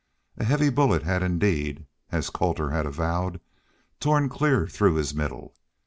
A heavy bullet had indeed, as Colter had avowed, torn clear through his middle.